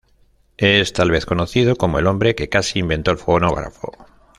Es tal vez más conocido como "el hombre que casi inventó el fonógrafo".